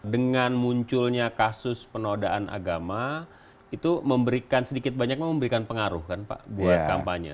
dengan munculnya kasus penodaan agama itu memberikan sedikit banyak memberikan pengaruh kan pak buat kampanye